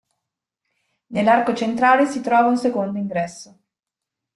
Nell'arco centrale si trova un secondo ingresso.